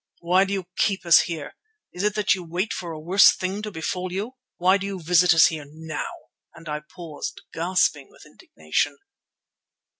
"Why do you keep us here? Is it that you wait for a worse thing to befall you? Why do you visit us here now?" and I paused, gasping with indignation.